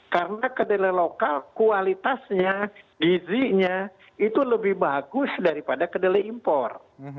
karena kedelai lokal kualitasnya izinya itu lebih bagus daripada kedelai impor